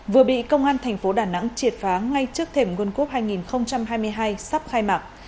vừa bị công an thành phố đà nẵng triệt phá ngay trước thềm world cup hai nghìn hai mươi hai sắp khai mạc